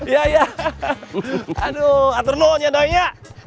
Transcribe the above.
ya ya aduh aturnonya doanya